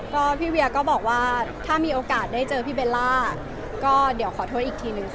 ก็พี่เวียก็บอกว่าถ้ามีโอกาสได้เจอพี่เบลล่าก็เดี๋ยวขอโทษอีกทีนึงค่ะ